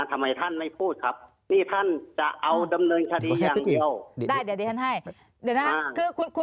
ทำไมท่านไม่พูดครับนี่ท่านจะเอาดำเนินคฤติอย่างเดียว